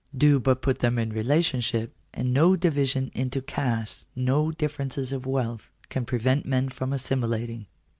Do ' but put them in relationship, and no division into castes, no j differences of wealth, can prevent men from assimilating.